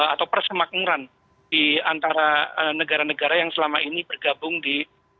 atau persemakmuran di antara negara negara yang selama ini bergabung di